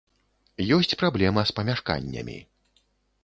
Ёсць праблема з памяшканнямі.